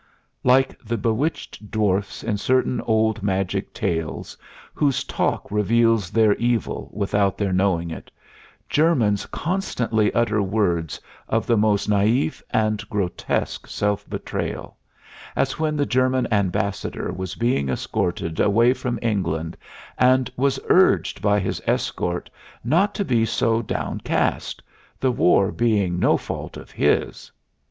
Like the bewitched dwarfs in certain old magic tales, whose talk reveals their evil without their knowing it, Germans constantly utter words of the most naïf and grotesque self betrayal as when the German ambassador was being escorted away from England and was urged by his escort not to be so downcast; the war being no fault of his.